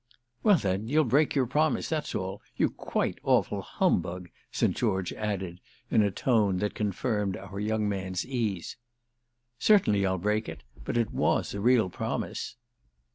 "Well then you'll break your promise, that's all. You quite awful humbug!" St. George added in a tone that confirmed our young man's ease. "Certainly I'll break it—but it was a real promise."